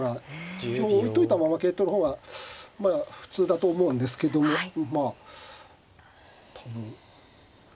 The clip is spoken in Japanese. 香置いといたまま桂取る方が普通だと思うんですけどまあ多分。